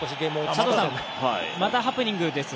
またハプニングです。